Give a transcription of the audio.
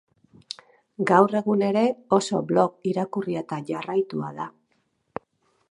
Gaur egun ere, oso blog irakurria eta jarraitua da.